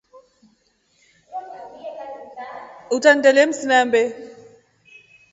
Utangindelye msinambe.